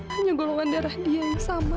hanya golongan darah dia yang sama